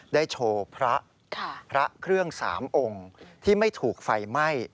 ได้โชว์พระพระเครื่อง๓องค์ที่ไม่ถูกไฟไหม้